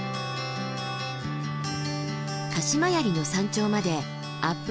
鹿島槍の山頂までアップ